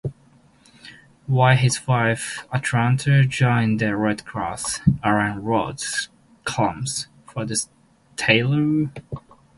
While his wife, Atalanta, joined the Red Cross, Arlen wrote columns for "The Tatler".